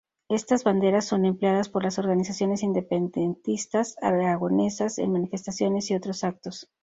Estas banderas son empleadas por las organizaciones independentistas aragonesas en manifestaciones y otros actos.